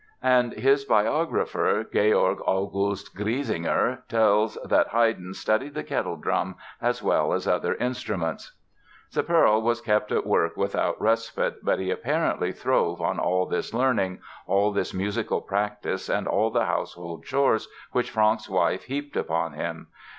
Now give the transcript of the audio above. And his biographer, Georg August Griesinger, tells that Haydn studied "the kettledrum as well as other instruments." "Sepperl" was kept at work without respite, but he apparently throve on all this learning, all this musical practice and all the household chores which Franck's wife heaped upon him.